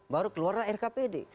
baru keluar rkpd